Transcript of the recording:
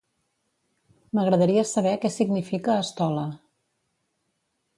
M'agradaria saber què significa estola.